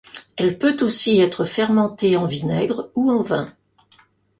Elle peut aussi être fermentée en vinaigre ou en vin.